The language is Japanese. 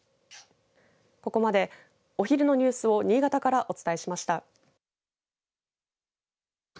ここまでお昼のニュースを新潟からお伝えしました。